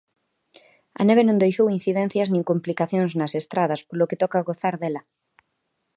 A neve non deixou incidencias nin complicacións nas estradas polo que toca gozar dela.